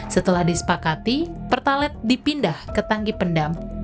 setelah disepakati pertalet dipindah ke tangki pendam